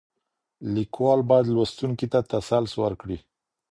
ليکوال بايد لوستونکي ته تسلس ورکړي.